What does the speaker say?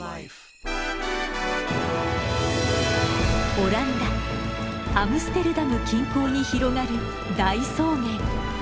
オランダ・アムステルダム近郊に広がる大草原。